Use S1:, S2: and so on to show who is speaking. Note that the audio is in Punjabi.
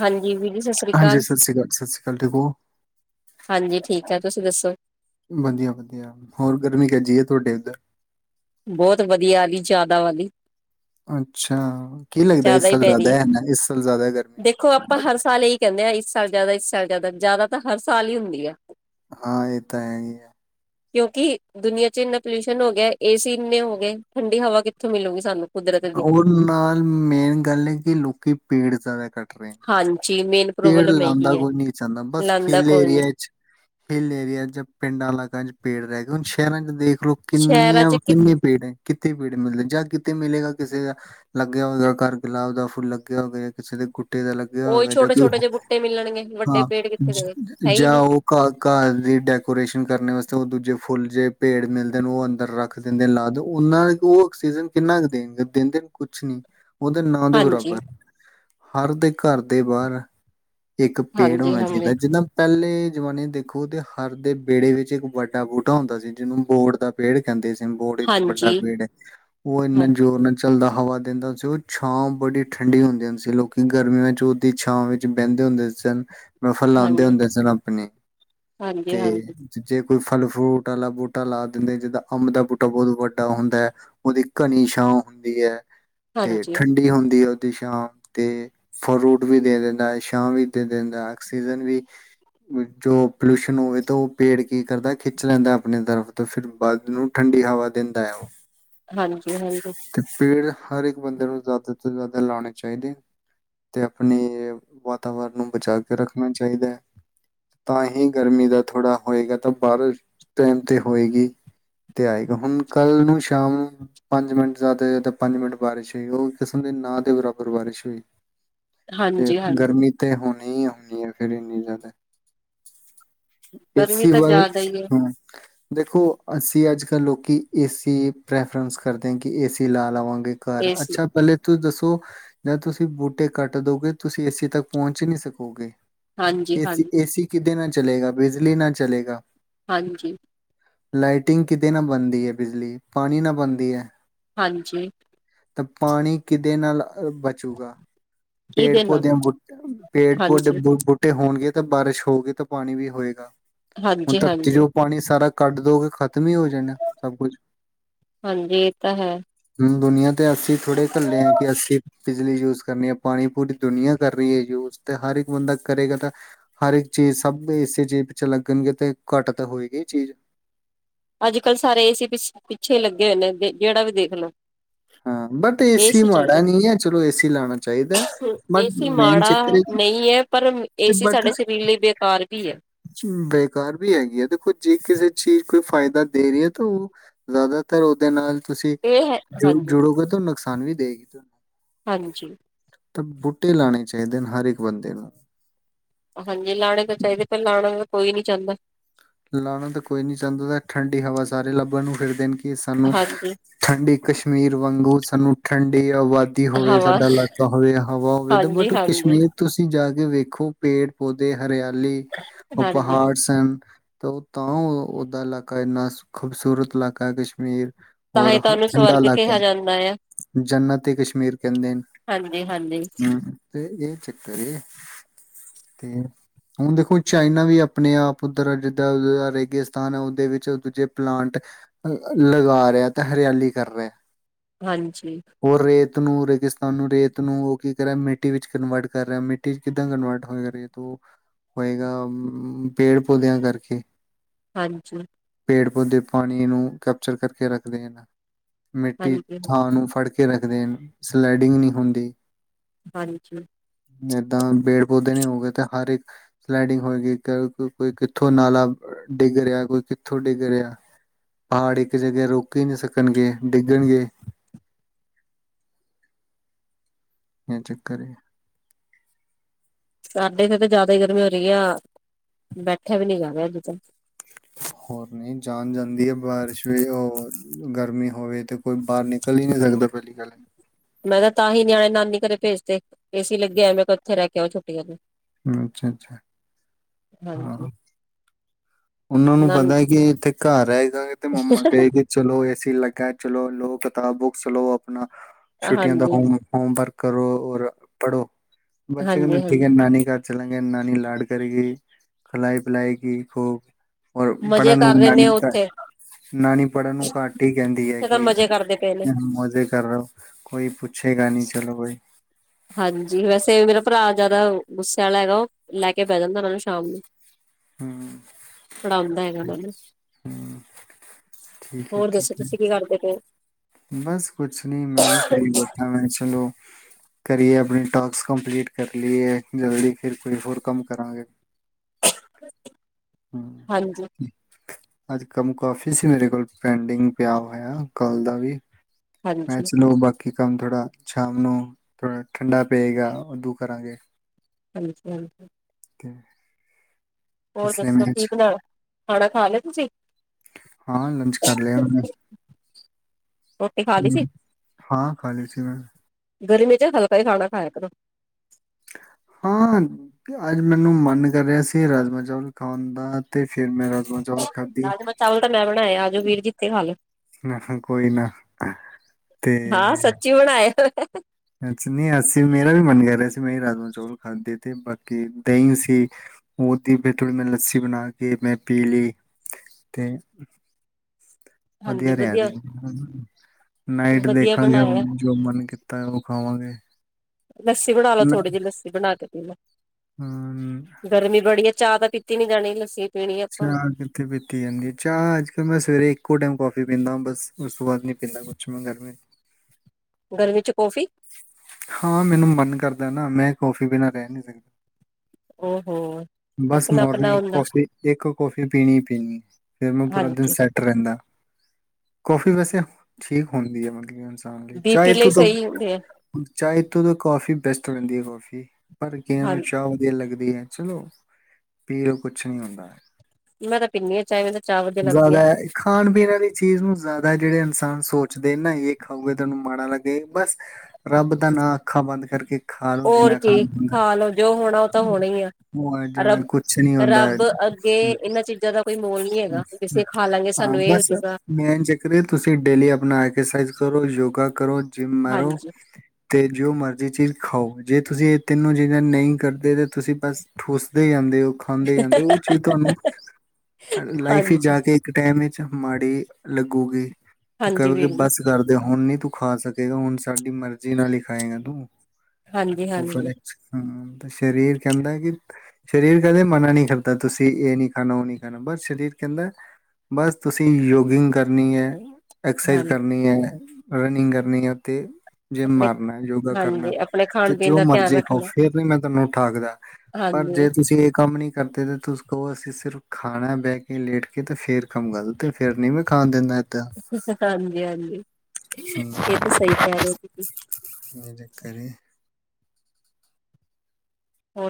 S1: ਹਾਂਜੀ ਵੀਰ ਜੀ ਸਤਿ ਸ੍ਰੀ
S2: ਹਾਂਜੀ
S1: ਅਕਾਲ
S2: ਸਤਿ ਸ੍ਰੀ ਅਕਾਲ ਸਤਿ ਸ੍ਰੀ ਅਕਾਲ ਦੇਕੋ [unintelligible]
S1: ਹਾਂਜੀ ਠੀਕ ਹੈ ਤੁਸੀਂ ਦੱਸੋ?
S2: ਵਧੀਆ ਵਧੀਆ ਹੋਰ ਗਰਮੀ ਕਹਿਜੀਏ ਤੁਹਾਡੇ ਉੱਧਰ
S1: ਬਹੁਤ ਵਧੀਆ ਵਾਲੀ ਜ਼ਿਆਦਾ ਵਾਲੀ
S2: ਅੱਛਾ ਕੀ ਲੱਗਦਾ ਇਸ
S1: ਹੀ
S2: ਸਾਲ
S1: ਪੈ ਰਹੀ
S2: ਜ਼ਿਆਦਾ
S1: ਹੈ
S2: ਐਨਾ ਇਸ ਸਾਲ ਜ਼ਿਆਦਾ
S1: ਦੇਖੋ ਆਪਾਂ ਹਰ ਸਾਲ ਇਹੀ ਕਹਿੰਦੇ ਹਾਂ ਇਸ ਸਾਲ ਜ਼ਿਆਦਾ ਇਸ ਸਾਲ ਜ਼ਿਆਦਾ ਜ਼ਿਆਦਾ ਤਾਂ ਹਰ ਸਾਲ ਹੀ ਹੁੰਦੀ ਆ।
S2: ਹਾਂ ਇਹ ਤਾਂ ਹੈ ਹੀ ਹੈ।
S1: ਕਿਉਂਕਿ ਦੁਨੀਆਂ ਚ ਇੰਨਾ ਪੋਲਿਊਸ਼ਨ ਹੋ ਗਿਆ ਐ। ਏਸੀ ਇੰਨੇ ਹੋ ਗਏ ਠੰਡੀ ਹਵਾ ਕਿੱਥੋਂ ਮਿਲੂਗੀ ਸਾਨੂੰ। ਕੁਦਰਤ ਦੀ
S2: ਉਹ ਨਾਲ ਮੇਨ ਗੱਲ ਹੈ ਕਿ ਲੋਕੀ ਪੇੜ ਜ਼ਿਆਦਾ ਕਟ
S1: ਹਾਂ
S2: ਪੇੜ ਲਾਂਦਾ ਕੋਈ ਨੀ ਚਾਹੁੰਦਾ ਬਸ
S1: ਲਾਂਦਾ
S2: ਹਿਲ
S1: ਕੋਈ ਨੀ
S2: ਏਰੀਆ ਚ ਹਿਲ ਏਰੀਆ ਜਾਂ ਪਿੰਡਾਂ ਇਲਾਕਾਂ ਚ ਪੇੜ ਰਹਿ ਗਏ ਹੁਣ। ਪੇਰੈਂਟ ਦੇ। ਖਲੋ
S1: ਸ਼ਹਿਰਾਂ
S2: ਕਿੰਨੀਆ
S1: ਚ ਕਿ
S2: ਕਿੰਨੀ ਪੇੜ ਹੈ, ਕਿੱਥੇ ਪੇੜ ਮਿਲਦੇ ਜਾਂ ਕਿੱਥੇ ਮਿਲੇਗਾ ਕਿਸੇ ਦਾ ਲੱਗਿਆ ਹੋਏਗਾ ਘਰ ਗੁਲਾਬ ਦਾ ਫੁੱਲ ਲੱਗੇਿਆ ਹੋਵੇ ਕਿਸੇ ਦੇ ਗੁ ੇ [unintelligible] ਲੱਗਿਆ
S1: ਉਹੀ
S2: ਹੋਇਗਾ ਜਾ
S1: ਛੋਟੇ ਛੋਟੇ ਜਿਹੇ ਬੂਟੇ ਮਿਲਣਗੇ ਵੱਡੇ
S2: ਹਾਂ,
S1: ਪੇੜ ਕਿੱਥੇ ਗਏ
S2: ਜ-
S1: ਹੈ ਹੀ
S2: ਜਾਂ
S1: ਨੀ
S2: ਉਹ ਘ- ਘਰ ਦੀ ਡੈਕੋਰੇਸ਼ਨ ਕਰਨੇ ਵਾਸਤੇ ਉਹ ਦੂ ਜੇ ਫੁੱਲ ਜੇ ਪੇੜ ਮਿਲਦੇ ਉਹ ਅੰਦਰ ਰੱਖ ਦੇਂਦੇ ਲਾਂ ਦੋ ਉਹਨਾਂ ਉਹ ਆਕਸੀਜਨ ਕਿੰਨਾ ਕ ਦੇਣਗੇ, ਦਿੰਦੇ ਕੁਛ ਨੀ। ਉਹਦੇ ਨਾਂ ਦੇ
S1: ਹਾਂਜੀ
S2: ਬਰਾਬਰ। ਹਰ ਦੇ ਘਰ ਦੇ ਬਾਹਰ ਐ। ਇੱਕ ਪੇੜ
S1: ਹਾਂਜੀ
S2: ਹੋਣਾ ਚਾਹੀਦਾ
S1: ਹਾਂਜੀ
S2: ਜਿੱਦਾਂ ਪਹਿਲੇ ਜਮਾਨੇ ਦੇਖੋ ਤੇ ਹਰ ਦੇ ਵਿੇਹੜੇ ਵਿੱਚ ਇੱਕ ਵੱਡਾ ਬੂਟਾ ਹੁੰਦਾ ਸੀ ਜਿਹਨੂੰ ਬੋੜ ਦਾ ਪੇੜ ਕਹਿੰਦੇ ਸੀ। ਬੋਰਡ ਚ ਵੱਡਾ
S1: ਹਾਂਜੀ
S2: ਪੇੜ ਹੈ, ਉਹ ਇੰਨਾ
S1: ਹਾਂ-
S2: ਜ਼ੋਰ ਨਾ ਚੱਲਦਾ ਹਵਾ ਦਿੰਦਾ ਸੀ ਉਹ ਛਾਂ ਬੜੀ ਠੰਡੀ ਹੁੰਦੀ ਹੁੰਦੀ ਸੀ, ਲੋਕੀ ਗਰਮੀਆਂ ਵਿੱਚ ਉਹਦੀ ਛਾਂ ਵਿੱ ਚ ਬਹਿੰਦੇ ਹੁੰਦੇ ਸਨ ਨਫ਼ਲ ਲਾਉਂਦੇ
S1: ਹਾਂਜੀ
S2: ਹੁੰਦੇ ਸਨ ਆਪਣੀ
S1: ਹਾਂਜੀ
S2: ਤੇ
S1: ਹਾਂਜੀ
S2: ਦੂਜੇ ਕੋਈ ਫਲ ਫਰੂਟ ਵਾਲਾ ਬੂਟਾ ਲਾ ਦਿੰਦੇ ਜਿੱਦਾਂ ਅੰਬ ਦਾ ਬੂਟਾ ਬਹੁਤ ਵੱਡਾ ਹੁੰਦਾ ਹੈ ਉਹਦੀ ਘਣੀ ਛਾਂ ਹੁੰਦੀ ਹੈ। ਤੇ
S1: ਹਾਂਜੀ
S2: ਠੰਡੀ ਹੁੰਦੀ ਹੈ। ਤੇ ਸ਼ਾਮ ਤੇ ਫਰੂਟ ਵੀ ਦੇ [unintelligible] [unintelligible] ਛਾਂ ਵੀ ਦੇ ਦਿੰਦਾ ਆਕਸੀਜਨ ਵੀ ਜੋ ਪੋਲਿਊਸ਼ਨ ਹੋਵੇ ਤਾਂ ਉਹ ਪੇੜ ਕੀ ਕਰਦਾ ਖਿੱਚ ਲੈਂਦਾ ਆਪਣੀ ਤਰਫ ਤੋ, ਫਿਰ ਬਾਅਦ ਨੂੰ ਠੰਡੀ ਹਵਾ ਦੇਂਦਾ ਹੈ ਉਹ।
S1: ਹਾਂਜੀ ਹਾਂਜੀ।
S2: ਤੇ ਪੇੜ ਹਰ ਇੱਕ ਬੰਦੇ ਨੂੰ ਜ਼ਿਆਦਾ ਤੋਂ ਜ਼ਿਆਦਾ ਲਾਉਣੇ ਚਾਹੀਦੇ, ਤੇ ਆਪਣੀ ਵਾਤਾਵਰਨ ਨੂੰ ਬਚਾ ਕੇ ਰੱਖਣਾ ਚਾਹੀਦਾ ਹੈ, ਤਾਂ ਹੀ ਗਰਮੀ ਦਾ ਥੋੜ੍ਹਾ ਹੋਏਗਾ ਤਾਂ ਬਾਰਿਸ਼ ਟਾਈਮ ਤੇ ਹੋਏਗੀ ਤੇ ਆਏਗਾ, ਹੁਣ ਕੱਲ੍ਹ ਨੂੰ ਸ਼ਾਮ ਨੂੰ ਪੰਜ ਮਿੰਟ ਜ਼ਦਾ ਪੰਜ ਮਿੰਟ ਬਾਰਿਸ਼ ਹੋਈ ਉਹ ਇਕ ਕਿਸਮ ਦੇ ਨਾਂ ਦੇ ਬਰਾਬਰ ਬਾਰਿਸ਼ ਹੋਈ। ਤੇ
S1: ਹਾਂਜੀ।
S2: ਗਰਮੀ ਤੇ ਹੁਣ ਨਹੀਂ ਆਉਣੀ ਹੈ ਫਿਰ ਇੰਨੀ ਜ਼ਿਆਦਾ ਏ
S1: ਗਰਮੀ
S2: ਸੀ
S1: ਤਾਂ
S2: ਵੱਲ,
S1: ਜ਼ਿਆਦਾ ਹੀ ਹੈ
S2: ਹੂ ਦੇਖੋ ਅਸੀਂ ਅੱਜ ਕੱਲ੍ਹ ਲੋਕੀ ਏ ਸੀ ਪ੍ਰੈਫਰੈਂਸ ਕਰਦੇ ਆਂ, ਕਿ ਏ ਸੀ ਲਾ ਲਵਾਂਗੇ। ਬੇਕਾਰ
S1: ਏਸੀ
S2: ਅੱਛਾ ਪਹਿਲੇ ਤੁਸੀਂ ਦੱਸੋ ਤੋ, ਜਦ ਤੁਸੀਂ ਬੂਟੇ ਕੱਟ ਦੋਗੇ ਤੁਸੀਂ ਏ ਸੀ ਤੱਕ, ਪਹੁੰਚ ਨਹੀਂ ਸਕੋਗੇ। ਏ ਸੀ,
S1: ਹਾਂਜੀ-ਹਾਂਜੀ,
S2: ਏ ਸੀ ਕਿਦੇ ਨਾਲ ਚਲੇਗਾ ਬਿਜਲੀ ਨਾਲ ਚਲੇਗਾ
S1: ਹਾਂਜੀ
S2: ਲਾਈਟਿੰਗ ਕਿਧੇ ਨਾਲ ਬਣਦੀ ਹੈ ਬਿਜਲੀ, ਪਾਣੀ ਨਾ ਬਣਦੀ ਹੈ।
S1: ਹਾਂਜੀ
S2: ਤਾਂ ਪਾਣੀ ਕਿਦੇ ਨਾਲ ਬਚੂਗਾ ਪੇੜ
S1: ਕਿਹਦੇ ਨਾਲ
S2: ਪੌਦੇ ਬ ਪੇੜ ਪੋਧੇ
S1: ਹਾਂਜੀ,
S2: ਪੁੱਟ ਹੋਣਗੇ ਤੇ ਬਾਰਿਸ਼ ਹੋਊਗੀ, ਤਾਂ ਪਾਣੀ ਵੀ ਹੋਏਗਾ। ਹੁਣ
S1: ਹਾਂਜੀ-ਹਾਂਜੀ,
S2: ਤੱਕ ਚ,
S1: ਹਾਂਜੀ
S2: ਜੋ ਪਾਣੀ ਸਾਰਾ ਕੱਢ ਦੋਗੇ, ਖਾਲੀ ਤਮ ਹੀ ਹੋ ਜਾਣਾ ਸਭ ਕੁਛ,
S1: ਹਾਂਜੀ ਇਹ ਤਾਂ ਹੈ
S2: ਹੂ ਦੁਨੀਆਂ ਤੇ ਅਸੀਂ ਥੋੜੇ ਕੱਲੇ ਆਂ, ਕਿ ਅਸੀਂ ਬਿਜਲੀ ਯੂਜ ਕਰਨੀ ਐ, ਪਾਣੀ ਪੂਰੀ ਦੁਨੀਆਂ ਕਰ ਰਹੀ ਹੈ ਯੂਜ, ਤੇ ਹਰ ਇੱਕ ਬੰਦਾ ਕਰੇਗਾ ਤਾਂ ਹਰ ਇੱਕ ਚੀਜ਼ ਸਭ ਇਸੇ ਚੀਜ਼ ਵਿੱਚ ਲੱਗਣਗੇ ਤੇ ਘੱਟ ਤਾਂ ਹੋਏਗੀ ਚੀਜ਼
S1: ਅੱਜ ਕੱਲ੍ਹ ਸਾਰੇ ਏ ਸੀ ਪਿੱਛੇ ਲੱਗੇ ਹੋਏ ਨੇ, ਜਿਹੜਾ ਵੀ ਦੇਖ ਲੋ।
S2: ਹਾਂ ਬਟ ਏ ਸੀ
S1: ਏਸੀ
S2: ਮਾੜਾ
S1: ਚੱਲਦਾ
S2: ਨਹੀਂ ਐ, ਚਲੋ ਏਸੀ ਲਾਉਣਾ ਚਾਹੀਦਾ ਹੈ, ਬਟ
S1: ਏਸੀ
S2: ਮੇਨ
S1: ਮਾੜਾ
S2: ਚੱਕਰ ਹੈ ਜੀ,
S1: ਨਹੀਂ ਹੈ ਪਰ
S2: ਤੇ
S1: ਏਸੀ
S2: ਬਟ
S1: ਸਾਡੇ ਸਰੀਰ ਲਈ ਬੇਕਾਰ ਵੀ ਹੈ
S2: ਬੇਕਾਰ ਵੀ ਹੈਗੀ ਐ, ਦੇਖੋ ਜੇ ਕਿਸੇ ਚੀਜ਼ ਕੋਈ ਫਾਇਦਾ ਦੇ ਰਹੀ ਹੈ, ਤਾਂ ਉਹ ਜ਼ਿਆਦਾਤਰ ਉਹਦੇ ਨਾਲ ਤੁਸੀਂ
S1: ਇਹ ਹੈ ਹਾਂਜੀ,
S2: ਜੁੜੋਗੇ ਤਾਂ ਨੁਕਸਾਨ ਸਾਨੂੰ ਵੀ ਦੇਗੀ, ਤੁ ਆਹ
S1: ਹਾਂਜੀ
S2: ਪ ਬੂਟੇ ਲਾਉਣੇ ਚਾਹੀਦੇ ਨੇ ਹਰ ਇੱਕ ਬੰਦੇ ਨੂੰ
S1: ਹਾਂਜੀ ਲਾਉਣੇ ਤਾਂ ਚਾਹੀਦੇ ਪਰ ਲਾਉਣਾ ਤਾਂ ਕੋਈ ਨਹੀਂੀ ਚਾਹੁੰਦਾ
S2: ਲਾਉਣਾ ਤਾਂ ਕੋਈ ਨੀ ਚਾਹੁੰਦਾ ਠੰਡੀ ਹਵਾ ਸਾਰੇ ਲੱਭਣ ਨੂੰ ਫਿਰਦੇਣ ਕਿ ਸਾਨੂੰ
S1: ਹਾਂਜੀ
S2: ਠੰਡੀ ਕਸ਼ਮੀਰ ਵਾਂਗੂ ਸਾਨੂੰ ਠੰ ਆਬਾਦੀ ਹੋਵੇ
S1: ਹਵਾ
S2: ਸਾਡਾ ਇਲਾਕਾ ਹੋਵੇ ਹਵਾ ਹੋਵੇ ਤਾਂ ਬਟ
S1: ਹਾਂਜੀ-ਹਾਂਜੀ,
S2: ਕਸ਼ਮੀਰ ਤੁਸੀਂ ਜਾ ਵੇਖੋ ਪੇੜ ਪੌਦੇ ਹਰਿਆਲੀ
S1: ਹਾਂਜੀ ਹਾਂਜੀ
S2: ਉਪਹਾਾਰਸ ਹਨ [unintelligible] ਓ ਤਾਂ ਦਾ ਇਲਾਕਾ ਇੰਨਾ ਖੂਬਸੂਰਤ ਇਲਾਕਾ ਹੈ ਕਸ਼ਮੀਰ
S1: ਤਾਂ
S2: ਹੋਰ
S1: ਹੀ ਤਾਂ
S2: [unintelligible]
S1: ਉਹਨੂੰ
S2: ਠੰਡਾ
S1: ਸਵਰਗ
S2: ਇਲਾਕਾ
S1: ਕਿਹਾ ਜਾਂਦਾ ਆ
S2: ਹੈ ਜਨ ਤੇ ਕਸ਼ਮੀਰ ਕਹਿੰਦੇ ਨੇ
S1: ਹਾਂਜੀ-ਹਾਂਜੀ,
S2: ਹਮ ਤੇ ਇਹ ਚੱਕ [unintelligible] ਤੇ ਹੁਣ ਦੇਖੋ ਚਾਈਨਾ ਵੀ ਆਪਣੇ ਆਪ ਉੱਧਰ ਅੱਜ ਜ [unintelligible] ਦਾ ਰੇਗਿਸਤਾਨ ਹੈ ਉਹਦੇ ਵਿੱਚ ਦੂਜੇ ਪਲਾਂਟ ਲਗਾ ਰਿਹਾ ਤੇ ਹਰਿਆਲੀ ਕਰ ਰਿਹਾ
S1: ਹਾਂਜੀ
S2: ਉਹ ਰੇਤ ਨੂੰ ਰੇਗਿਸਤਾਨ ਨੂੰ ਰੇਤ ਨੂੰ ਉਹ ਕੀ ਕਰ ਰਿਹਾ ਮਿੱਟੀ ਵਿੱਚ ਕਨਵਰਟ ਕਰ ਰਿਹਾ ਮਿੱਟੀ ਚ ਕਿੱਦਾਂ ਕਨਵਰਟ ਹੋਏਗਾ ਰੇਤ ਉਹ ਹੋਏਗਾ ਪੇੜ ਪੌਦਿਆਂ ਕਰ ਅੱਛਾ [unintelligible]
S1: ਹਾਂਜੀ
S2: ਪੇੜ ਪੌਦੇੇ ਪਾਣੀ ਨੂੰ ਕੈਪਚਰ ਕਰਕੇ ਰੱਖਦੇ ਹਨ ਮਿੱਟੀ
S1: ਹਾਂਜੀ, ਹਾਂਜੀ
S2: ਥਾਂ ਨੂੰ ਫੜ ਕੇ ਰੱਖਦੇਨ ਸਲਾਈਡਿੰਗ ਨਹੀਂ ਹੁੰਦੀ
S1: ਹਾਂਜੀ
S2: ਏਦਾਂ ਪੇੜ ਪੌਦੇ ਨ ਹੋਗੇਏ ਤੇ ਹਰ ਇਕ ਸਲਾਈਡਿੰਗ ਹੋਏਗੀ ਕਿਕ ਕੋਈ ਕਿੱਥ ਕਿੱਥੋਂ ਨਾਲਾ ਡਿੱਗ ਰਿਹਾ ਕੋਈ ਕਿੱਥੋਂ ਡਿੱਗ ਰਿਹਾ ਪਹਾੜ ਇੱਕ ਜਗ੍ਹਾ ਰੋਕੀ ਨੀ ਸਕਣਗੇ ਡਿੱਗਣ ਗੇ ਇਹ ਚੱਕਰ ਏ
S1: ਸਾਡੇ ਤੇ ਤਾਂ ਜ਼ਿਆਦਾ ਹੀ ਗਰਮੀ ਹੋ ਰਹੀ ਆ ਬੈਠਿਆ ਵੀ ਨਹੀਂ ਜਾ ਰਿਹਾ ਅੱਜ ਤਾਂ
S2: ਹੋਰ ਨਹੀਂ ਜਾਣ ਜਾਂਦੀ ਹੈ ਬਾਰਿਸ਼ ਵੀ ਉਹ ਗਰਮੀ ਹੋਵੇ ਤੇ ਕੋਈ ਬਾਹਰ ਨਿਕਲ ਹੀ ਨਹੀਂ ਸਕਦਾ ਪਹਿਲੀ ਗੱਲ
S1: ਮੈਂ ਤਾਂ ਤਾਂਹੀ ਨਿਆਣੇ ਨਾਨੀ ਘਰੇ ਭੇਜਤੇ ਏ ਸੀ ਲੱਗੇਿਆ ਮੈਂ ਕਿਹਾ ਉੱਥੇ ਰਹਿ ਕੇ ਆ ਛੁੱਟੀੀਆਂ ਦੇ
S2: ਹਮ ਅੱਛਾ ਅੱਛਾ
S1: ਹਾਂਜੀ
S2: ਹਾਂ ਉਹਨਾਂ ਨੂੰ
S1: ਨਾਨ
S2: ਪਤਾ ਹੈ ਕਿ ਇੱਥੇ ਘਰ ਹੈਗਾ ਤੇ ਮੰਮਾ ਕਹੇਗੀ ਕੇ ਚਲੋ ਏਸੀ ਲੱਗਾ ਚਲੋ ਲੋ ਕਿਤਾਬ ਸਲੋ ਅਪ ਆਪਣਾ ਛੁੱਟੀਆਂ ਦਾ
S1: ਹਾਂਜੀ,
S2: ਹੋ ਹੋਮ ਵਰਕ ਕਰੋ ਔਰ ਪੜ੍ਹੋ ਬੱਚੇ ਕਹਿੰਦੇ ਠੀਕ
S1: ਹਾਂਜੀ-ਹਾਂਜੀ
S2: ਹੈ ਨਾਨੀ ਘਰ ਚਲਾਂਗੇ ਨਾਨੀ ਲਾਡ ਕਰੇਗੀ ਖਲਾਈ ਪਿਲਾਈ ਗੀ ਖੂਬ ਹੋਰ
S1: ਮਜ਼ੇ
S2: ਪੜ੍ਹਨ ਨੂੰ
S1: ਕਰ ਰਹੇ ਨੇ
S2: ਨਾਨੀ
S1: ਉੱਥੇ
S2: ਨਾਨੀ ਪੜ੍ਹਨ ਨੂੰ ਘੱਟ ਹੀ ਕਹਿੰਦੀ ਹੈ
S1: ਇੱਥੇ ਤਾਂ
S2: ਕਿ
S1: ਮਜ਼ੇ ਕਰਦੇ ਪਏ ਨੇ।
S2: ਮਜ਼ੇ ਕਰ ਲੋ ਕੋਈ ਪੁੱਛੇਗਾ ਨੀ ਚਲੋ ਕੋਈ
S1: ਹਾਂਜੀ ਵੈਸੇ ਮੇਰਾ ਭਰਾ ਜਿਆਦਾ ਗੁੱਸੇ ਵਾਲਾ ਹੈਗਾ ਉਹ ਲੈ ਕੇ ਬਹਿ ਜਾਂਦਾ ਓਹਨਾਂ ਨੂੰ ਸ਼ਾਮ ਨੂੰ
S2: ਹਮ
S1: ਪੜ੍ਹਾਉਂਦਾ ਹੈਗਾ ਉਹਨਾਂ ਨੂੰ
S2: ਹਮ ਠੀਕ ਹੈ
S1: ਹੋਰ
S2: ਠੀਕ
S1: ਦੱਸੋ
S2: ਹੈ
S1: ਤੁਸੀਂ ਕੀ ਕਰਦੇ ਪਏ ਹੋ
S2: ਬਸ ਕੁਛ ਨੀ ਮੈਂ ਵੀ ਫ੍ਰਰੀ ਬੈਠਾ ਮੈਂ ਚਲੋ ਕਰਏ ਆਪਣੇ ਟਾਸਕ ਕੰਪਲੀਟ ਕਰ ਲਈਏ ਜਲਦੀ ਫਿਰ ਕੋਈ ਹੋਰ ਕੰਮ ਕਰਾਂਗੇ
S1: [unintelligible] ਹਾਂਜੀ,
S2: ਹਮ ਅੱਜ ਕੰਮ ਕਾਫੀ ਸੀ ਮੇਰੇ ਕੋਲ ਪੈਂਡਿੰਗ ਪਿਆ ਹੋਇਆ ਕੱਲ ਦਾ ਵੀ ਮੈਂ
S1: ਹਾਂਜੀ,
S2: ਚਲ ਬਾਕ [unintelligible] ਬਾਕਿ ਕੰਮ ਥੋੜ੍ਹਾ ਸ਼ਾਮ ਨੂੰ ਥੋੜ੍ਹਾ ਠੰਡਾ ਪਏਗਾ ਉਦੋਂ ਕਰਾਂਗੇ
S1: ਹਾਂਜੀ ਹਾਂਜੀ [unintelligible]
S2: ਤੇ
S1: ਹੋਰ
S2: ਇਸ ਲਈ
S1: ਦੱਸੋ
S2: ਮੈਂ
S1: ਕੀ ਬਣਾਣਾ ਖਾਣਾ ਖਾ ਲਿਆ ਤੁਸੀਂ
S2: ਹਾਂ ਲੰਚ ਕਰ ਲਿਆ ਮਨੇ
S1: ਰੋਟੀ ਖਾ ਲਈ ਸੀ
S2: ਹਮ ਹਾਂ ਖਾਲੀ ਸੀ ਮੈਂ
S1: ਗਰਮੀ ਚ ਹਲਕਾ ਹੀ ਖਾਣਾ ਖਾ ਸਕਦਾ
S2: ਹਾਂ ਅੱਜ ਮੈਨੂੰ ਮਨ ਕਰ ਰਿਹਾ ਸੀ ਰਾਜਮਾਂ ਚਾਵਲ ਖਾਣ ਦਾ ਤੇ ਫਿਰ ਮੈਂ ਰਾਜਮਾ ਚਾਵਲ ਖਾਧੀ
S1: ਰਾਜਮਾਹ ਚਾਵਲ ਤਾਂ ਮੈਂ ਬਣਾਏ ਹੈ ਵੀਰ ਜੀ ਕੀ ਹਾਲ ਹੈ
S2: ਨਾ ਕੋਈ ਨਾ ਤੇ
S1: ਹਾਂ ਸੱਚੀ ਬਣਾਏ
S2: ਅੱਛਾ ਨਹੀ ਅਸੀਂ ਵੀ ਮੇਰਾ ਵੀ ਮਨ ਕਰ ਰਿਹਾ ਅਤੇ ਮੈਂ ਰਾਜਮਹ ਚੌਲ ਖਾਧੇ ਅਤੇ ਬਾਕੀ ਦੇਹੀਂ ਸੀ ਉਹਦੀ ਲੱਸੀ ਬਣਾ ਕੇ ਮੈਂ ਪੀ ਲਈ ਅਤੇ ਵਧੀਆ ਰਿਹਾ ਦੇ [inaudible] ਨਾਈਟ
S1: ਵਧੀਆ
S2: ਦੇਖਾਂਗੇ
S1: ਬਣਾਏ ਆ
S2: ਜੋ ਮਨ ਤਾਂ ਉਹ ਖਾਵਾਂਗੇ
S1: ਲੱਸੀ ਬਣਾ ਲੋ ਥੋੜ੍ਹੀ ਜਿਹੀ ਲੱਸੀ ਬਣਾ ਲੋ
S2: ਹਮ
S1: ਗਰਮੀ ਬੜੀ ਹੈ ਚਾਹ ਤਾਂ ਪੀਤੀ ਨੀ ਜਾਣੀ ਲੱਸੀ ਪੀਣੀ ਆਪਾਂ
S2: ਚਾਹ
S1: ਨੂੰ।
S2: ਕਿੱਥੇ ਪੀਤੀ ਜਾਂਦੀ ਚਾਹ ਅੱਜ ਕਲ ਮੈਂ ਸਵੇਰੇ ਇੱਕੋ ਟਾਈਮ ਕਫੀ [unintelligible] ਪੀਂਦਾ ਬਸ ਉਸ ਤੋਂ ਬਾਅਦ ਨਹੀਂ ਪੀਂਦਾ ਕੁਛ ਮੈਂ ਗਰਮੀ
S1: ਗਰਮੀ ਚ ਕੌਫੀ
S2: ਹਾਂ ਮੈਨੂੰ ਮਨ ਕਰਦਾ ਨਾ ਮੈਂ ਕਫੀ ਬਣਾ ਰਿਆ ਨਜ [unintelligible]
S1: [unintelligible]
S2: ਬਸ
S1: ਆਪਣਾ ਆਪਣਾ
S2: ਮੋਰਨਿੰਗ
S1: ਹੁੰਦਾ
S2: ਕੋਫੀ ਇੱਕ ਕੌਫੀ ਪੀਣੀ ਪੀਣੀ ਫਿਰ ਮੈਂ ਪੂਰਾ ਦਿਨ
S1: ਹਾਂਜੀ
S2: ਸੈੱਟ ਰਹਿੰਦਾ ਕੌਫੀ ਵੈਸੇ ਠੀਕ ਹੁੰਦੀ ਹੈ ਮਤਲਬ
S1: ਬੀ
S2: ਚਾਹ
S1: ਪੀ ਲਈ
S2: ਇੱਥੋਂ ਤੋਂ
S1: ਸਹੀ ਹੁੰਦੇ ਆ
S2: ਚਾਹ ਇੱਥੋਂ ਤੋਂ ਕਾਫੀ ਬੈਸਟ ਕਿਵੇਂ ਦੀ ਆ ਕੌਫੀ ਪਰ ਕਈਆਂ
S1: ਹਾਂਜੀ
S2: ਨੂੰ ਦੀ ਆ ਚਲੋ ਫੀ ਕੁਛ ਨੀ ਹੁੰਦਾ
S1: ਮੈਂ ਤਾਂ ਪਿੰਨੀ ਆ ਚਾਏ
S2: ਜ਼ਿਆਦਾ ਖਾਣ ਪੀਣ ਵਾਲੀ ਚੀਜ਼ ਨੂੰ ਜ਼ਿਆਦਾ ਜਿਹੜੇ ਇ ਕਿਸ ਸੋਚਦੇ ਨਾ ਇਹ ਖਾਊਗੇ ਤੁਹਾਨੂੰ ਮਾੜਾ ਲੱਗੇ ਬਸ ਰੱਬ ਦਾ ਨਾ ਅੱਖਾਂ ਬੰਦ ਕਰਕੇ ਖਾ ਲੋ
S1: ਹੋਰ
S2: ਜਿੰਨਾ ਖਾਣਾ
S1: ਕੀ
S2: ਹੁੰਦਾ
S1: ਖਾ ਲੋ ਜੋ ਹੋਣਾ ਉਹ ਤਾਂ ਹੋਣਾ ਹੀ ਆ
S2: ਉਹ ਆ ਜਾਣਾ
S1: ਰੱਬ
S2: ਕੁਛ ਨਹੀਂ ਹੁੰਦਾ
S1: ਰੱਬ ਅੱਗੇ ਇਹਨਾਂ ਚੀਜ਼ਾਂ ਦਾ ਕੋਈ ਮੋਲ ਨੀ ਹੈਗਾ ਅਸੀਂ ਖਾ ਲਾਂਗੇ
S2: ਹਾਂ,
S1: ਸਾਨੂੰ ਇਹ
S2: ਬਸ
S1: ਹੋਜੂਗਾ
S2: ਮੇਨ ਚੱਕਰ ਤੁਸੀਂ ਡੇਲੀ ਆਪਣਾ ਐਕਸਰਸਾਈਜ਼ ਸੋ ਹੁਣ ਯੋਗਾ ਕਰੋ ਜਿੰਮ ਮਾਰੋ
S1: ਹਾਂਜੀ
S2: ਤੇ ਜੋ ਮਰਜ਼ੀ ਚੀਜ਼ ਖਾਓ ਜੇ ਤੁਸੀਂ ਇਹ ਤਿੰਨੋਂ ਚੀਜ਼ਾਂ ਨਹੀਂ ਕਰਦੇ ਤਾਂ ਤੁਸੀਂ ਬਸ ਠੂਸਦੇ ਜਾਂਦੇ ਹੋ ਖਾਂਦੇ ਜਾਂਦੇ ਉਹ ਚੀਜ਼ ਤੁਹਾਨੂੰ ਲਾਈਫ ਫਿਰ
S1: ਹਾਂਜੀ
S2: ਜਾ ਕੇ ਇੱਕ ਟਾਈਮ ਵਿੱਚ ਮਾੜੀ ਲੱਗੂਗੀ। ਤੂੰ
S1: ਹਾਂਜੀ
S2: ਕਹਿ ਕਿ
S1: ਵੀਰ ਜੀ
S2: ਬੱਸ ਕਰਦੇ ਹੁਣ ਨੀ ਤੂੰ ਖਾ ਸਕ ਹੁਣ ਸਾਡੀ ਮਰਜ਼ੀ ਨਾਲ ਹੀ ਖਾਏਗਾ ਤੂੰ
S1: ਹਾਂਜੀ
S2: [unintelligible]
S1: ਹਾਂਜੀ
S2: ਹਾਂ ਤੇ ਸਰੀਰ ਕਹਿੰਦਾ ਕਿ ਸਰੀਰ ਕਦੇ ਮਨਾ ਨਹੀਂ ਕਰਦਾ ਤੁਸੀਂ ਇਹ ਨੀ ਖਾਣਾ ਉਹ ਨੀ ਖਾਣਾ ਬਸ ਸਰੀਰ ਕਹਿੰਦਾ ਬਸ ਤੁਸੀਂ ਯੋਗਿੰਗ ਕਰਨੀ ਹੈ। ਐਕਸਰਸਾਈਜ਼
S1: ਹਾਂਜੀ
S2: ਕਰਨੀ ਹੈ ਰਨਿੰਗ ਕਰਨੀ ਤੇ ਜਿੰਮ
S1: ਆਪਣੇ
S2: ਮਾਰਨਾ ਯੋਗਾ ਕਰਨਾ
S1: ਹਾਂਜੀ ਆਪਣੇ
S2: ਤੇ
S1: ਖਾਣ ਪੀਣ
S2: ਜੋ
S1: ਦਾ ਧਿਆਨ
S2: ਮਰਜ਼ੀ ਖੋ
S1: ਰੱਖਣਾ
S2: ਫੇਰ ਵੀ ਮੈਂ ਤੁਹਾਨੂੰ ਉ ਠਾਕਦਾ ਪਰ
S1: ਹਾਂਜੀ
S2: ਜੇ ਤੁਸੀਂ ਇਹ ਕੰਮ ਨੀ ਕਰਦੇ ਤੁਸੀਂ ਕਹੋ ਅਸੀਂ ਸਿਰਫ ਖਾਣਾ ਬੈਕ ਇਹ ਲੇਟ ਕੇ ਤੇ ਫੇਰ ਕੰਮ ਗਲਤ ਆ ਫੇਰ ਨ ਮੈਂ ਖਾਣ ਦਿੰਦਾ ਏਦਾਂ
S1: ਹਾਂਜੀ ਹਾਂਜੀ ਇਹ ਤਾਂ ਸਹੀ ਕਹਿ ਰਹੇ ਹੋ ਤੁਸੀਂ
S2: [unintelligible]